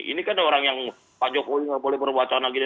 ini kan orang yang pak jokowi nggak boleh berbacana gini